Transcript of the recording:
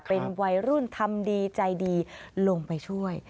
เป็นวัยรุ่นทำดีใจดีลงไปช่วย